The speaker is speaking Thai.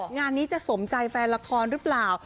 งานนี้จะสมใจแฟนละครหรือเปล่า